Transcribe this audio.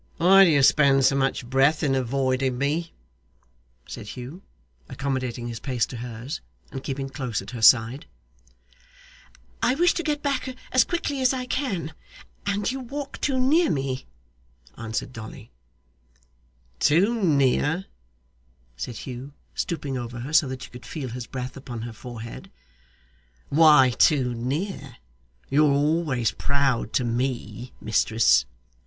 'Why do you spend so much breath in avoiding me?' said Hugh, accommodating his pace to hers, and keeping close at her side. 'I wish to get back as quickly as I can, and you walk too near me, answered Dolly.' 'Too near!' said Hugh, stooping over her so that she could feel his breath upon her forehead. 'Why too near? You're always proud to ME, mistress.